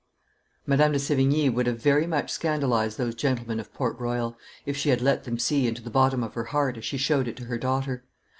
Madame de Sevigne would have very much scandalized those gentlemen of Port Royal, if she had let them see into the bottom of her heart as she showed it to her daughter.